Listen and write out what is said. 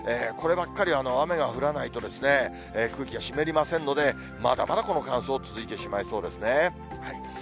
こればっかりは雨が降らないと、空気が湿りませんので、まだまだこの乾燥、続いてしまいそうですね。